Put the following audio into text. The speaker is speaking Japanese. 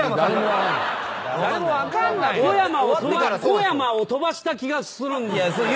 小山を飛ばした気がするんです。